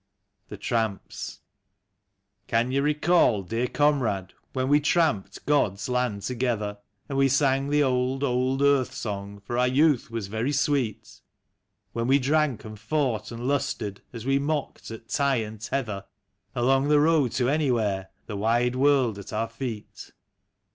81 THE TEAMPS. Can you recall, clear comrade, when we tramped God's land together, And we sang the old, old Earth song, for our youth was very sweet; When we drank and fought and lusted, as we mocked at tie and tether. Along the road to Anywhere, the wide world at our feet.